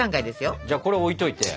じゃあこれ置いといて。